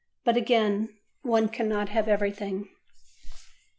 But, again; one cannot have everything.